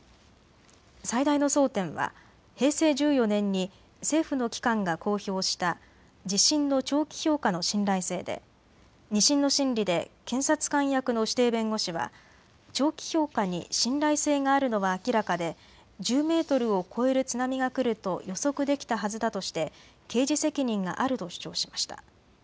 最大の争点は平成１４年に政府の機関が公表した地震の長期評価の信頼性で２審の審理で検察官役の指定弁護士は長期評価に信頼性があるのは明らかで１０メートルを超える津波が来ると予測できたはずだとして刑事責任があると主張しました。